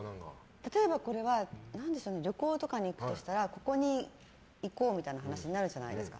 例えば旅行とかに行くとしたらここに行こうみたいな話になるじゃないですか。